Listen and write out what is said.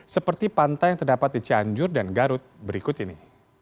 seperti pantai yang terdapat di cianjur dan garut berikut ini